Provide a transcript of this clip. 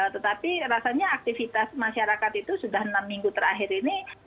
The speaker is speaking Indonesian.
tetapi rasanya aktivitas masyarakat itu sudah enam minggu terakhir ini